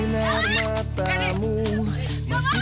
masa harus diem kayak gini sih